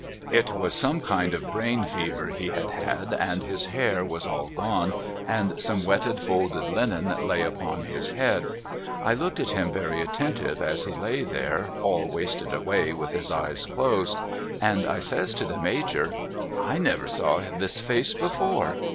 It was some kind of brain fever he had had, and his hair was all gone, and some wetted folded linen lay upon his head. I looked at him very attentive as he lay there all wasted away with his eyes closed, and I says to the Major :' I never saw this face before.'